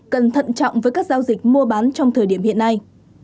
cần thận trọng với các giao dịch mua bán trong thời điểm hiện nay